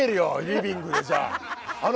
リビングで、じゃあ。